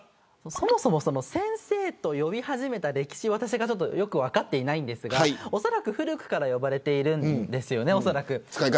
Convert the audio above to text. そもそも先生と呼び始めた歴史をよく分かっていないんですがおそらく古くから呼ばれているんですよね。